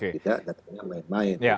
tidak datanya main main